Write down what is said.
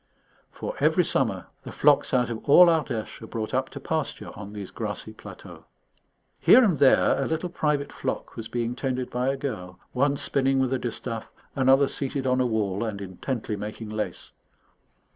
For every summer, the flocks out of all Ardèche are brought up to pasture on these grassy plateaux. Here and there a little private flock was being tended by a girl, one spinning with a distaff, another seated on a wall and intently making lace.